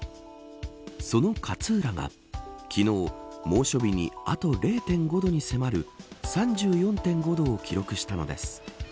その勝浦が、昨日猛暑日にあと０．５度に迫る３４．５度を記録したのです。